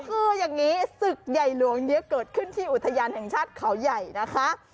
คืออย่างนี้ศึกใหญ่หลวงนี้เกิดขึ้นที่อุทยานแห่งชาติเขาใหญ่นะคะ